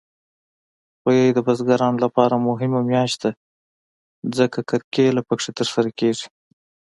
غویی د بزګرانو لپاره مهمه میاشت ده، ځکه کرکیله پکې ترسره کېږي.